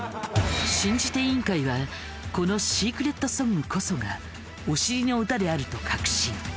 信じて委員会はこのシークレットソングこそがお尻の歌であると確信。